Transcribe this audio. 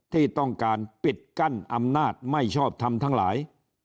ที่ต้องการปิดกั้นอำนาจไม่ชอบทำทั้งหลาย